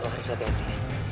kita tetap harus hati hati